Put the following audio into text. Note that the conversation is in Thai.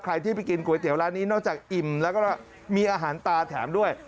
ใครที่ไปกินก๋วยเตี๋ยวร้านนี้นอกจากอิ่มแล้วก็มีอาหารตาแถมด้วย